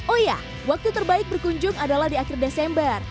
oh ya waktu terbaik berkunjung adalah di akhir desember